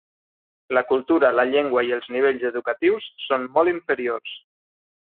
La cultura, la llengua i els nivells educatius són molt inferiors.